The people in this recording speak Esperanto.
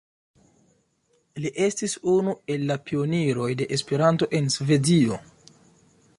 Li estis unu el la pioniroj de Esperanto en Svedio.